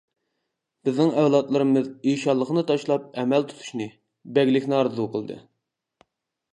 بىزنىڭ ئەۋلادلىرىمىز ئىشانلىقنى تاشلاپ ئەمەل تۇتۇشنى، بەگلىكنى ئارزۇ قىلدى.